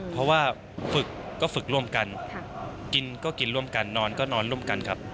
เพราะว่าฝึกก็ฝึกร่วมกันกินก็กินร่วมกันนอนก็นอนร่วมกันครับ